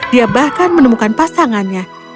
dia bahkan menemukan pasangannya